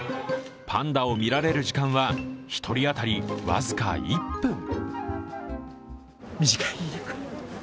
パンダを見られる時間は１人あたり僅か１分。